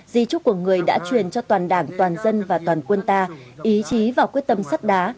di trúc của người đã truyền cho toàn đảng toàn dân và toàn quân ta ý chí và quyết tâm sắt đá